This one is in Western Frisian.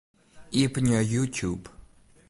Iepenje YouTube.